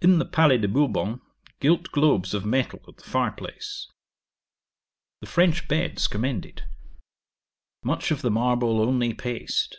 'In the Palais de Bourbon, gilt globes of metal at the fire place. 'The French beds commended. Much of the marble, only paste.